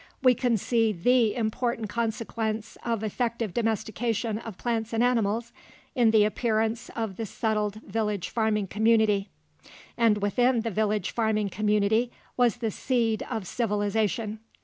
We can see the important consequence of effective domestication of plants and animals in the appearance of the settled village farming community. And within the village farming community was the seed of civilization.